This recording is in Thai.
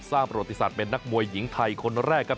ซ่าประโลติศัตริย์เป็นนักมวยหญิงไทยคนแรกครับ